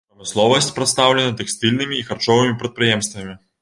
Прамысловасць прадстаўлена тэкстыльнымі і харчовымі прадпрыемствамі.